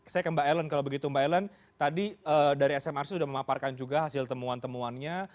saya ke mbak ellen kalau begitu mbak ellen tadi dari smrc sudah memaparkan juga hasil temuan temuannya